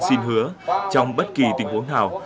xin hứa trong bất kỳ tình huống nào